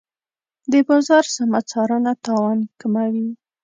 د بازار سمه څارنه تاوان کموي.